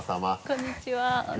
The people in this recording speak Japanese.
こんにちは。